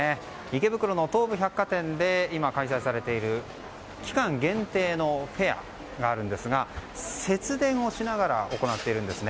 池袋の東武百貨店で今、開催されている期間限定のフェアがあるんですが節電をしながら行っています。